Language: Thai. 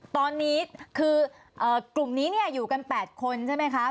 ตอนนี้คือกลุ่มนี้อยู่กัน๘คนใช่ไหมคะ